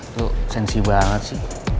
lo sensi banget sih